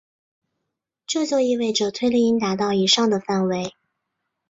这就意味着推力应达到以上的范围。